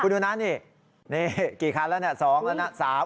คุณดูนะนี่นี่กี่คันแล้วน่ะสองแล้วน่ะสาม